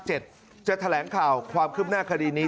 จะแถลงข่าวความคืบหน้าคดีนี้